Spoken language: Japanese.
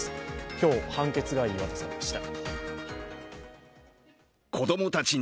今日判決が言い渡されました。